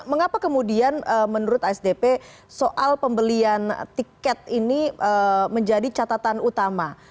mengapa kemudian menurut asdp soal pembelian tiket ini menjadi catatan utama